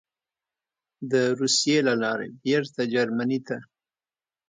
د روسیې له لارې بېرته جرمني ته: